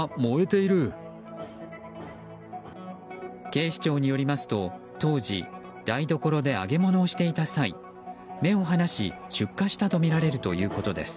警視庁によりますと当時、台所で揚げ物をしていた際目を離し、出火したとみられるということです。